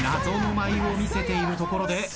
謎の舞を見せているところで。